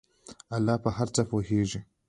الله په هر څه پوهیږي.